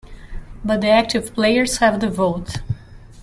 But the active players have the vote.